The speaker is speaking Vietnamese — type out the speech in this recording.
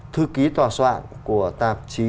thư ký tòa soạn của tạp chí